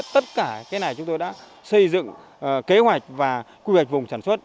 tất cả chúng tôi đã xây dựng kế hoạch và quy hoạch vùng sản xuất